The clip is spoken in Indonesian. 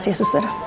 terima kasih sister